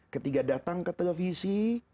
ketika datang ke televisi